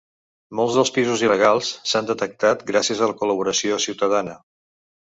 Molts dels pisos il·legals s’han detectat gràcies a la col·laboració ciutadana.